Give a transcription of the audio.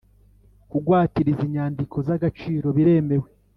Kugwatiriza inyandiko z’agaciro biremewe